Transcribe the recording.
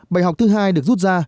bài học thứ hai được rút ra